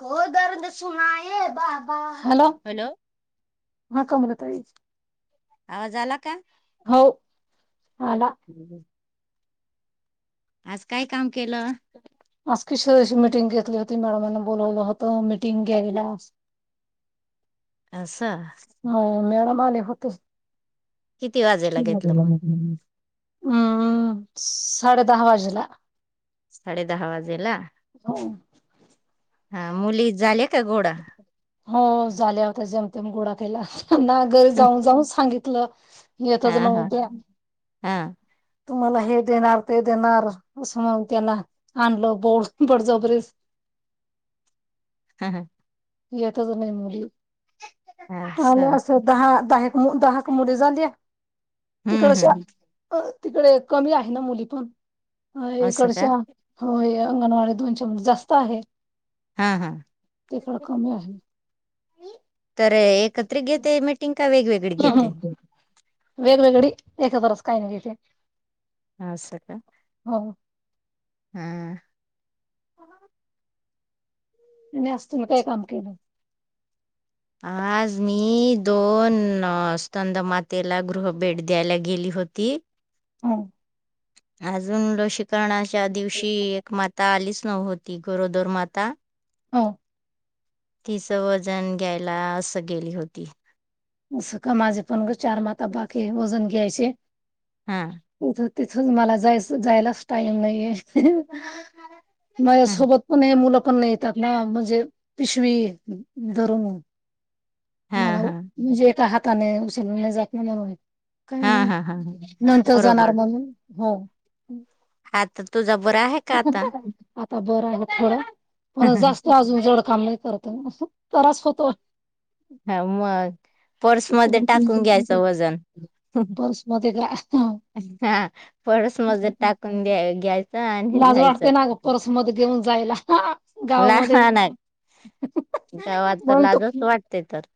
को दर्द सुनाय बाबा हॅलो ह कोमोल तई आवाज आला का हो आला हम्म. आज काय काम केलं आज किशशी मिीटिंग घेतली होती मॅडमांना बोलावलं होत मिीटिंग घ्यायला आसाा माले होते क वाजेला घेतलं बला मग? हम्म साडे दहा वाजेला साडे दहा वाजेला हो हा मुली झाले हो झाल्या होता जेमते गोळाात ला ना घरी जाऊन जाऊन सांगितलं हा यथच न हा द्या हा तुम्हाला हे देणार ते देणार असं म त्यांना आणलं बोड बळजबरी ह याताच नाही मुली आणि असं दहा दहा दहा मुडी झाली आहे तिकड हम्म श हम्म तिकडे कमी आहे ना मुली पण अ असं का? एकडच्या हो अंगणवाडी दोनशेपेक्षा जास्त आहेत हम हम कमी आहे तर एक कत्री घेते मिेटिंग का वेगवेगळी घेते वेगवेगळी एकत्रच का नाही घेत है? असं का? हां हां गॅस तुम्ही काय काम केलं? आज मी दोन स्कं स्कंद मातेला गृह भेट द्यायला गेली होती. हां अजून लो करणाच्या दिवशी एक मात त आलीच नव्हती गरोदर माता. हो तिच वजन घ्यायला असं गेली होती असं का माझे पण चार माता बाकीे वजन घ्यायचे. [inaudible] हां तिथ तिथच मला जायच जायलाच टाईम नाहीये. माझ हा सोबत पण हे मुलं पण येतात ना म्हणजे पिशवी धरून. हा मला हा म्हणजे एका हाता ताने उचललं जात नाही [unintelligible] काही हा हा हा हा. नाही नंतर जाणार म्हणून हो हा तर तुझा बरं आहे का आता? आता बरं आहे थोडं पण हा जास्त अजून जड काम नाही करत आहे तरास होतो. हां मग पर्स मध्ये टाकून घ्यायचं तिथं वजन पर्समध्ये हां पर्स मध्ये टाकून द्या घ्यायच आणि लाज जायचं वाटते ना ग पर्समध्ये घेऊन जायला गावामध्ये लहान आहे गावात तर म्हणून तो लाजचं वाटत ते तर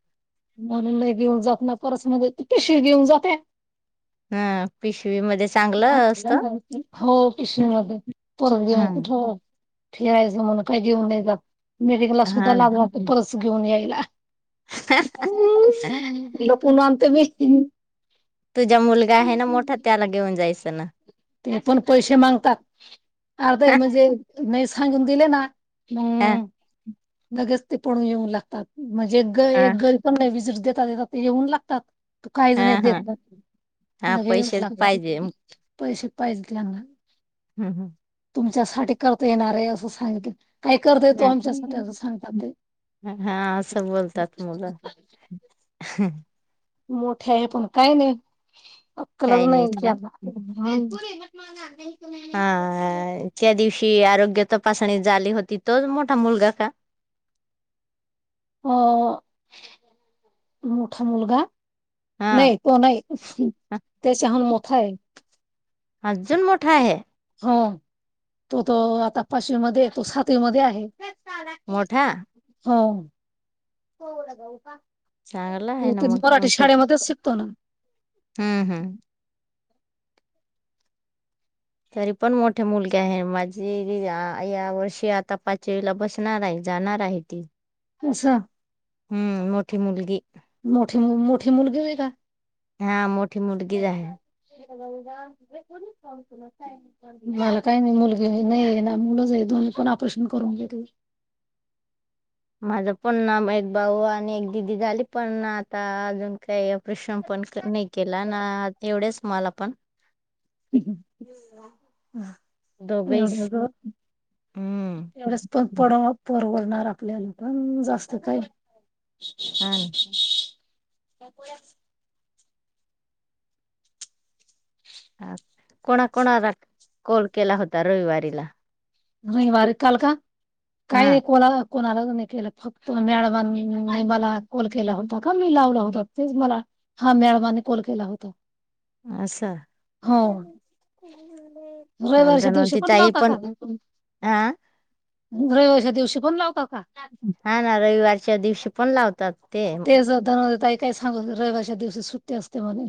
म्हणून नाही घेऊन जात ना परस मध्ये, तू कशी घेऊन जाते? हा पिशवीमध्ये चांगलं असतं हो किशा मध्ये परत हा घेऊन कुठे हो फिरायचं म्हणून काय घेऊन नाही जात. मेडिकलला हा सुद्धा लाज वाटते खरंच. घेऊन यायला लपून आणते मी हम् तुझा मुलगा आहे ना मोठा त्याला घेऊन जायचं त्यां ते पण पैसे मागतात, अर्धय म्हणजे नाही सांगून दिले ना हा हम् लगेच ते पडून येऊन लागतात. म्हणजे एक ग हा एक गरी पण नाही विसरत देेतात देतात येऊन लागतात तू काहीच हा नाही हा देत हा, पैसेच लागतात पाहिजे हम्म, पैसे पाहिजे त्यांना हम्म हम्म तुमच्यासाठी करता येणार आहे असं सांग काय करतय तो हा आमच्यासाठी आदि सांग हा असं म्हण हम् मोठ्या आहे पण काय नाही अक्कलच काही नाही नाहीत का ज्याना म नाही हा, त्या दिवशी ी आरोग्या तपासणी झाली होती तोच मोठा मुलगा का अ मोठा मुलगा हा नाही तो नाही त्याच्याहून मोठा आहे अझून मोठा आहे हो तो तो आता पाचवी मध्ये आहे तो सातवी मध्ये आहे मोठा होलागऊ का चांगला आहे हो ना मग मराठी तुमचे शाळेमध्येस शिकतो ना हम्म हम्म तरी पण मोठे मुलगे आहे माझी अ या वर्षी आता पाचवीला बसणार आहे जाणार आहे ती असा हम्म मोठी मुलगी म मोठी मुलगी नाही का हा मोठी मुलगीच आहे मला काही नाही मुलगी बी नाही ना मुलंच हाय दोन पण ऑपरेशन करून घेतल माझं पण ना एक भाऊ आणि एक दिदी झाली पण आता अजून काही ऑपरेशन पण नाही केलं ना एवढेच मला पण एवढ दोघेच एवढ हम्म एवढच पड पर्वा. होणार आपल्याला, पण जास्त काय. हा. [unintelligible] हा कोणा कोणाला कॉल केला होता रविवारीला. नाही वार काल का? हा काय कोणाला? कोणालाच नाही केला, फक्त मॅडमांने मला कॉल केला होता. का मी लावलं होता तेच मला हा मॅडमांनी कॉल केला होता. असं हो रविवारच्या दिवशी कोण लावता का ग तुम्ही? आ. रविवारच्या दिवशी पण लावता. का? हा ना रविवारच्या दिवशी पण लावतो. तेज जो [unintelligible] काय सांगू रविवारचा दिवशीच सुट्टी असते म्हणे.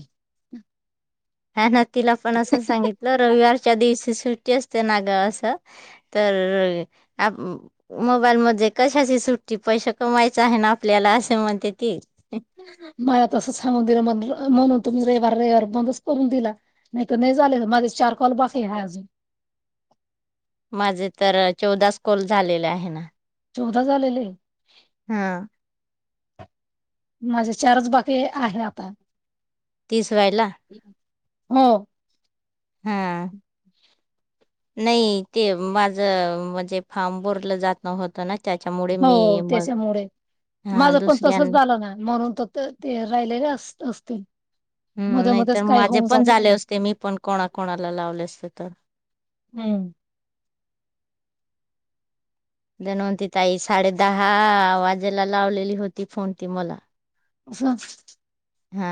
हा ना तिला पण, असं सांगितलं रविवारच्या दिवस. सुट्टी असते ना गं अस, तर आ मोबाईल मध्ये कशाची सुट्टी पैसे कमवायच आहेना आपल्याला असे म्हणते ती, माया तस समुंदर मदल. म्हणून तुम्ही रविवार रविवार बंदच करून दिला. नाही तर नाही झाले माझे चार कॉल बाकी आहे हायं अजून. माझे तर चौदाच कॉल झालेले आहे ना. चौदा झालेले. हा. माझे चारच बाकीे आहे आता. तीस व्हायला. हम्म. हा. नाही ते माझ म्हणजे फार्म भरलं जात होत ना. त्याच्यामुळे मी हो मग तेच्यामुळे, हा माझं पण दुसऱ्या तसच झालं ना, म्हणून तर ते राहिलेले असत. तीन. हम्म नाहीतर माझे पण झाले असते. मी पण कोणाकणाला लावले असते. [unintelligible] [unintelligible] दणवंती ताई साडे दहा वाजेला लावलेली होती फोन ती मला. [unintelligible] हा.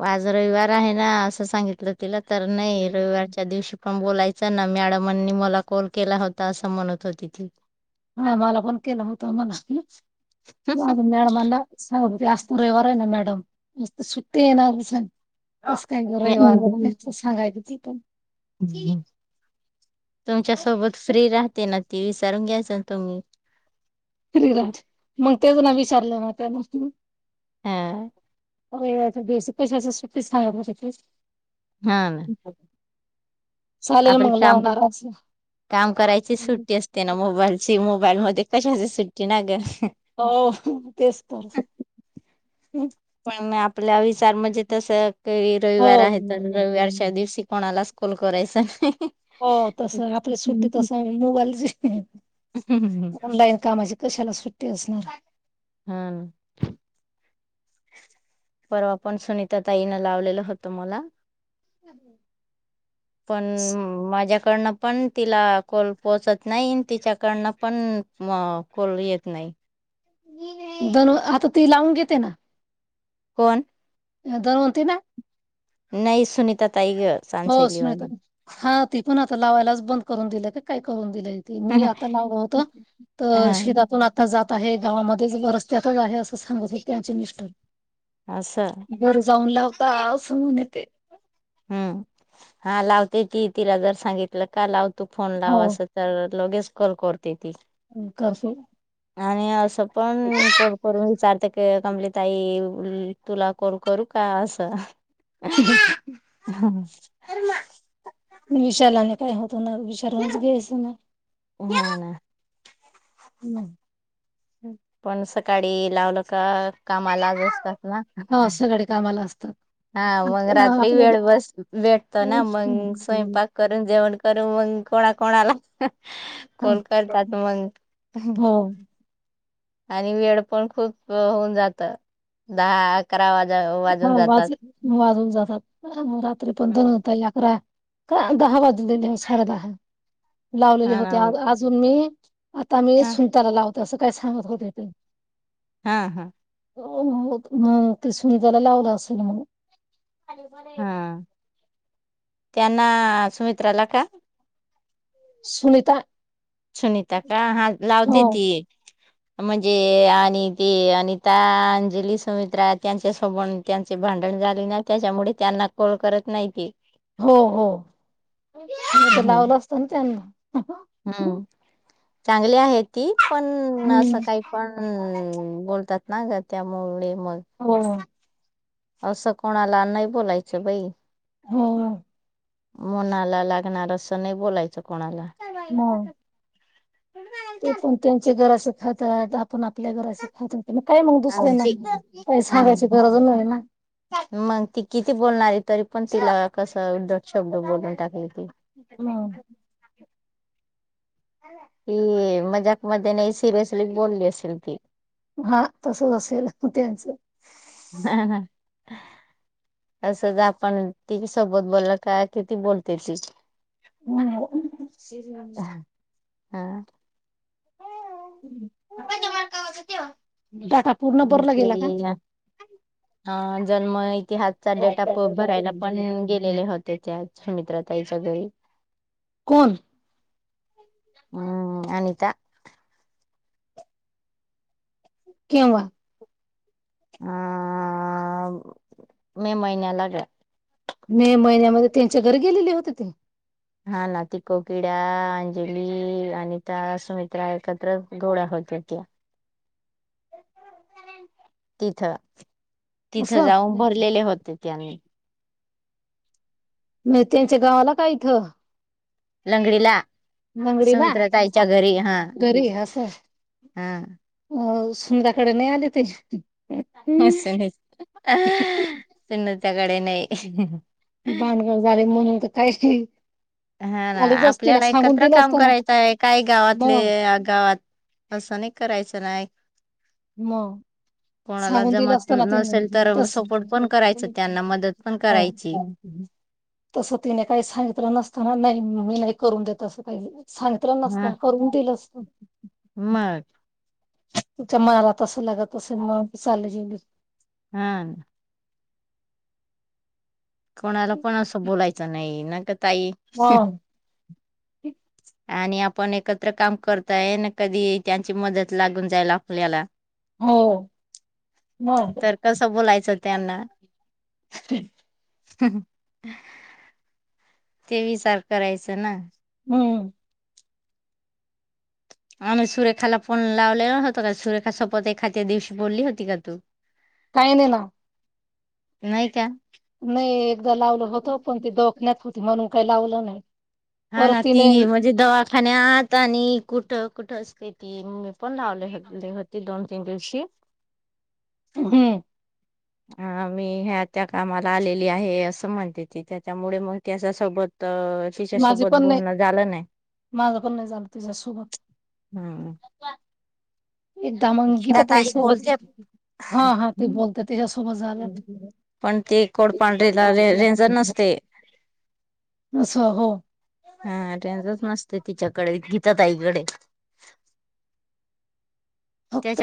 वाज रविवार आहे ना, असं सांगितलं तिला. तर नाही रविवारच्या दिवशी पण बोलायचं ना मॅडमांनी मला कॉल केला होता असं म्हणत होती ती हा मला पण केलं होतं मणा अजून मॅडमांना सगत पुरेवार आहे ना मॅडम मस्त सुट्टी येणार कस काय गवार सांगायचं ते पण तुमच्या सोबत फ्री राह ते ना ते विचारून घ्यायचं तुम्ही हिराज मग तेच ना विचारलं ना त्यान हा हो बेस पैशा अस असहा म ते [inaudible] चालेल आपल मग काम लावणार आज काम करायची सुट्टी असते ना मोबाईल मोबाईल मध्ये कशा सुट्टी ना ग हो तेच तर हम् आपल्या विचार म्हणजे तसं री हो रविवार आहेत रविवारच्या दिवशी कोणाला स्कूल करायच नाही हो तस आपली सुट्टी तस मोबाईलची ऑनलाईन कामाची कशाला सुट्टी तेसणार हम्म परवा पण सुनीता ताईनं लावलेलं होतं मला पण माझ्या पन पण तिला कॉल पोहोचत नाही तिच्याकडनं पण कॉल येत नाही दन आता ती लावून घेते ना कोण रवती ना नाही सुनीता ताई ग सांन हो शैलीवा सुनीता हा ती पण आता लावायलाच बंद करून दिली काय करून मी आता लावला होता तर हा शेतातून आता जात आहे गावामध्येच रस्त्यातच आहे असं सांगत होते त्यांचे मिस्टर असं बर जाऊन ला त सांगून येत हम् हा लावते ती तिला जर सांगितलं का लावते तू फोन हो लाव असं तर लगेच कॉल करते ती [unintelligible] आणि असं पण को करून विचारते कंप्लीट आई तुला करू करू का असं हो [inaudible] हम विशालाने काय होतो ना विशालूनच घ्यायचं ना हा ना हम पण सकाळी लावलं का कामा ला आज असतात ना हा सगळे कामाला असतात हा मग रात्री आपलं वेळ बस भेटतो ना मग स्वयंपाक करून जेवण करून मग कोणा कोणाला कॉल करतात मग हो आणि वेळ पण खूप होऊन जात दहा अकरा अकरा हो वाजून जातात वाज वाजून जातात [inaudible] त्रिपंधन होता याकरा दहा वाजून साडेदहा लावलेले हा होते ना अजून मी आता मी हा सुमता लावते तसं काय सांगत होते ते हा-हा, हो ह ते मग. तुम्ही त्याला लावला असेल म्हणून. [unintelligible] हा त्यांना सुमित्राला का? सुनीता. सुनीता का हा लावते हो ती. म्हणजे आणि ते अनिता, अंजली, सुमित्रा त्यांच्या सोब त्यांचे भांडण झाले, ना त्याच्यामुळे त्यांना कॉल करत नाही ते. हो-हो ते हम्म. लावलं असत ना त्यांना. हम्म चांगली आहे ती. पण असं हम्म काही पण बोलतात. ना ग त्यामुळे. मग हो, असं कोणाला नाही बोलायचं बाई. हो. मनाला लागणार असं नाही बोलायचं कोणाला मग [unintelligible] ते पण त्यांच घर अस छत हा आपण आपल्या घराशी खा काय मग दुसर्यांना काही सांगायची गरज नाही ना मग ती किती बोलणारी तरी पण तिला कसं उद्धट शब्द बोलून टाकली ती ह [inaudible] की मजाक मध्ये नाही सीरियसली बोलली असेल ती हा तसच असेल कुत्यांचं [unintelligible] असंच आपण ती सोबत बोलल का किती बोलते ती हा [inaudible] [inaudible] पूर्ण भरला ते गेला का अ हा जन्म इतिहासचा डेटा प भरायला पण गेलेले होते त्याच्या मित्रा ताईच्या घरी कोण? [inaudible] हम्म अनिता केव्हा? हम मे महिन्यालागे मे महिन्यामध्ये त्यांच्या घरी गेलेले होते ते हा ना ती कोकिड्या, अंजली, अनिता, सुमित्रा एकत्र जोड्या होत्या त्या [inaudible] तिथ तिथं असं जाऊन भरलेले होते त्यांनी म त्यांच्या गावाला काय इथं लंगडी ला लंगडी ना तरी अस हा समंदाकडे नाही आले ते असय त्याकडे नाही भानगड झाले म्हणून काय ती त हा ना आपल्याला एकत्र काम असतं ना. करायचं आहे काय गावातले मग गावात असं नाही करायचं नाही मग कोणाला सांगून दिलं जमत असताना ति नसेल तर सपोर्ट पण करायचं त्यांना मदत पण करायची. तस तिने काही सांगितलं नसत नाही मी नाही करून देत असं काहि सांगितलं नसत हा करून दिलं असत. मग तुमच्या मनाला तस लागत असेल म चालेल हा. कोणाला पण असं बोलायचं नाही का ताई मग आणि पण एकत्र काम करताय ना कधी त्यांची मदत लागून जाईल आपल्याला हो मग तर कसं बोलायचं त्यांना ते विचार करायचं ना हम आम्ही सुरेखाला पण लावलेल होतो का सुरेखा शपथ खात दिवशी बोलली होती का तू काही नाही ना नाही का नाही एकदा लावलं होत पण ते‌ दवाखान्यात होती म्हणून काही लावलं नाही हा परत ना तिने ती म्हणजे दवा आणि आता आणि कुठ कुठं असते ती मी पण लावलेली होती दोन तीन दिवशी हम् ह मी ह्या त्या कामाला आलेली आहे असं म्हणते ती त्याच्यामुळे मग त्याच्या सोबत माझी पण नाही माझं पण नाही झालं तुझ्यासोबत हम्म गीता ताई सोबत बोलते हा हा ते बोलत त्याच्यासोबत झालं पण ते कोडपांढरीेला रेंज नसते असं हो हा टेन्शनच नसते तिच्या कडे गीता ताई कडे फक्त